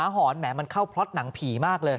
หอนแหมมันเข้าพล็อตหนังผีมากเลย